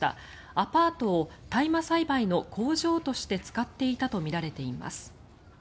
アパートを大麻栽培の工場として使っていたとみられています。